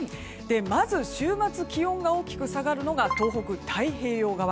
まず週末気温が大きく下がるのが東北、太平洋側。